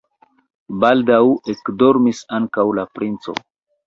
Baldaŭ ekdormis ankaŭ la princo.